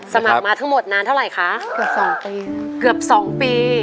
สมัครมาทั้งหมดนานเท่าไหร่คะเกือบสองปี